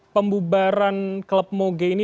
pembubaran klub moge ini